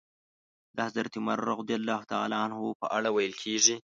د حضرت عمر رض په اړه ويل کېږي.